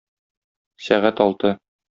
Сәгать алты.